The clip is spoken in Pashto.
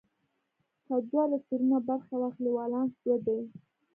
که دوه الکترونونه برخه واخلي ولانس دوه دی.